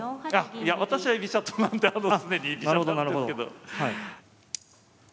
いや私は居飛車党なんで常に居飛車なんですけど。